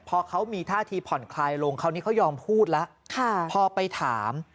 พอเขามีท่าทีผ่อนคลายลงคราวนี้เขายอมพูดแล้วพอไปถาม